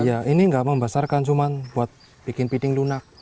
iya ini nggak membesarkan cuma buat bikin piding lunak